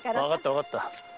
わかったわかった。